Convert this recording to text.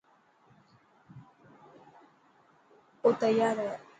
او تيار هي.